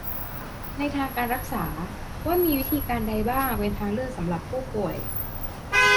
ในทางการรักษา ว่ามีวิธีการใดบ้างเป็นทางเลือกสำหรับผู้ป่วย